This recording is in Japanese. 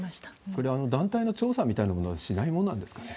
それは団体の調査みたいなものはしないものなんですかね？